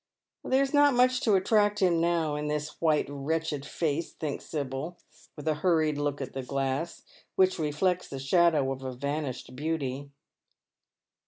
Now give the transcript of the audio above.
" There is not much to attract him now in this white, wretched face," thinks Sibyl, with a hurried look at the glass, which reflects the shadow of a vanished beauty.